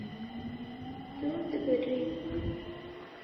Tu dibirî.